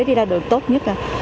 đi ra đường tốt nhất